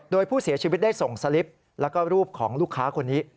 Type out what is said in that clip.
โดยผู้เสียชีวิตได้ส่งสลิปแล้วก็รูปของลูกค้าคนนี้